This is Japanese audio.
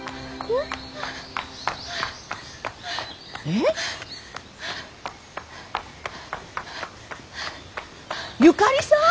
えっ？ゆかりさん？